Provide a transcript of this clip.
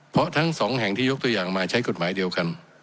เพราะทั้งสองแห่งที่ยกตัวอย่างมาใช้กฎหมายเดียวกัน